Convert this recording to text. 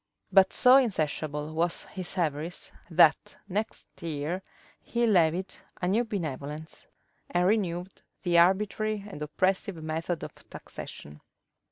But so insatiable was his avarice, that next year he levied a new benevolence, and renewed that arbitrary and oppressive method of taxation.